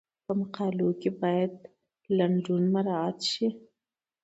په مقالو کې باید لنډون مراعات شي.